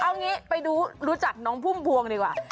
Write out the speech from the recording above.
เอางี้ไปรู้จักน้องพุ่มพวงดีกว่า